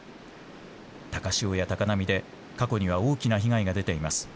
高潮や高波で過去には大きな被害が出ています。